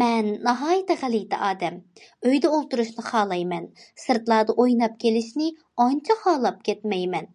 مەن ناھايىتى غەلىتە ئادەم ئۆيدە ئولتۇرۇشنى خالايمەن، سىرتلاردا ئويناپ كېلىشنى ئانچە خالاپ كەتمەيمەن.